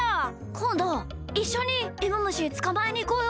こんどいっしょにいもむしつかまえにいこうよ。